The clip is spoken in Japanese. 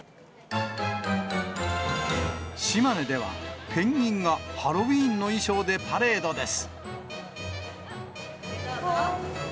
島根では、ペンギンがハロウィーンの衣装でパレードです。